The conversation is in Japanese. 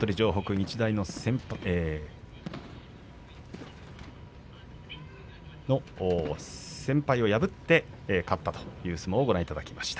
日大の先輩を破って勝ったという相撲をご覧いただきました。